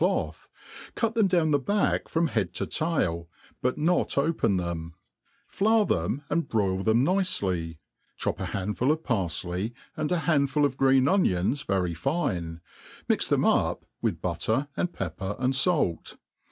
cloth, cut them down the back from head to tail, but not open them; flour them artd broil them nicely; chop a handful of parfley, and a handful of green onions very fine, mix them up with butter and pepper, and fait.